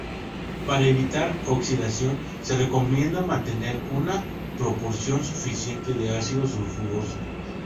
Para evitar oxidación, se recomienda mantener una proporción suficiente de ácido sulfuroso.